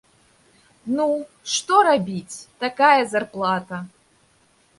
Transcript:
Ну, што рабіць, такая зарплата!